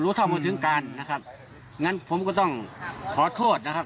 เท่ามาถึงการนะครับงั้นผมก็ต้องขอโทษนะครับ